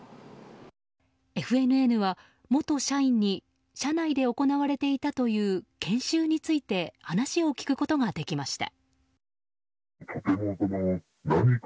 ＦＮＮは、元社員に社内で行われていたという研修について話を聞くことができました。